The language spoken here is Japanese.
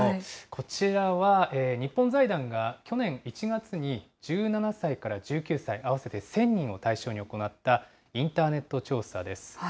こちらは、日本財団が去年１月に１７歳から１９歳、合わせて１０００人を対象に行ったインターネット調査です。